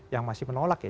yang masih menolak ya